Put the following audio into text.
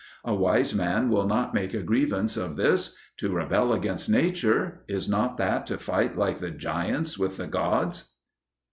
A wise man will not make a grievance of this. To rebel against nature is not that to fight like the giants with the gods?